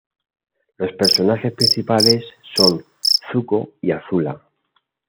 Los personajes principales son Zuko y Azula.